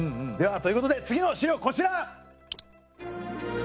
ではということで次の資料こちら！